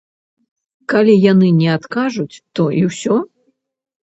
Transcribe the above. Калі яны не адкажуць, то і ўсё.